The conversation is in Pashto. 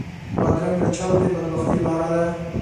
بدرنګه چال د بد بختۍ لاره ده